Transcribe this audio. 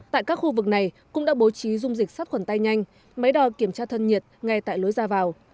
tại các khu vực này cũng đã bố trí dung dịch sát khuẩn tay nhanh máy đo kiểm tra thân nhiệt ngay tại lối ra vào